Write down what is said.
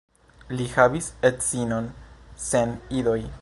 Li havis edzinon sen idoj.